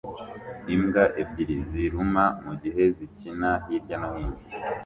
Imbwa ebyiri ziruma mugihe zikina hirya no hino